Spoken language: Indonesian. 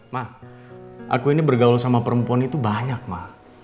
ma aku ini bergaul sama perempuan itu banyak ma